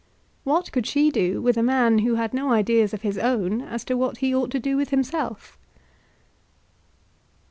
What could she do with a man who had no ideas of his own as to what he ought to do with himself?